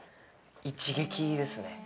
一撃ですね。